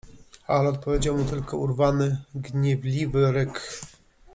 Ale odpowiedział mu tylko urwany, gniewliwy ryk.